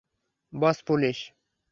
বস, police!